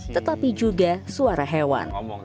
tetapi juga suara hewan